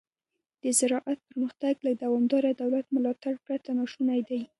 د زراعت پرمختګ له دوامداره دولت ملاتړ پرته ناشونی دی.